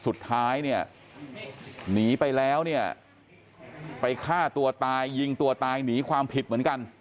สุดท้ายเนี่ยหนีไปแล้วเนี่ยไปฆ่าตัวตายยิงตัวตายหนีความผิดเหมือนกัน